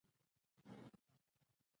په دې اړه به وروسته پرې بشپړې خبرې وکړو.